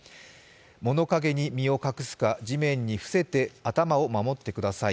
物陰に身を隠すか地面に伏せて頭を守ってください。